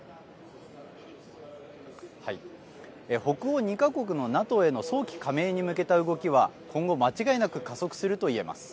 北欧２か国のＮＡＴＯへの早期加盟に向けた動きは今後、間違いなく加速するといえます。